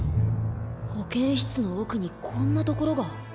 保健室の奥にこんな所が。